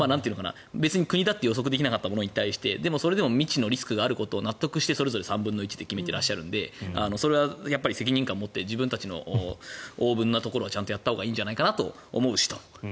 別に国だって予測できなかったものに対してそれでも未知のリスクに対して納得して、それぞれ３分の１で決めていらっしゃるのでそれは責任感を持って自分たちの大分なところはちゃんとやったほうがいいと思うしと。